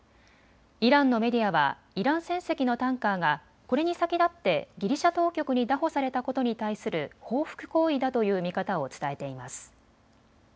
イランのメディアはイラン船籍のタンカーがこれに先立ってギリシャ当局に拿捕されたことに対する報復行為だという見方を伝えています。